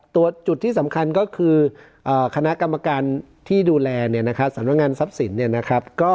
๒๔๗๙ตรวจที่สำคัญก็คือคณะกรรมการที่ดูแลเนี่ยนะคะ